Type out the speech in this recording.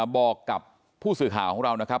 บอกกับผู้สื่อข่าวของเรานะครับ